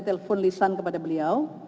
telepon lisan kepada beliau